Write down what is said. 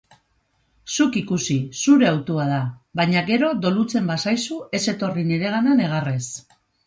Zuk ikus, zure hautua da. Baina gero dolutzen bazaizu ez etorri niregana negarrez.